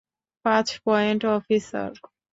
পাঁচ point, officer!